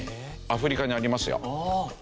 アフリカにありますよ。